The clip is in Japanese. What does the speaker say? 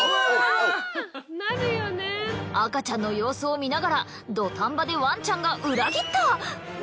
赤ちゃんの様子を見ながら土壇場でワンちゃんが裏切った。